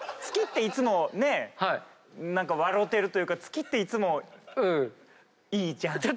月っていつも何か笑うてるというか月っていつもいいじゃん？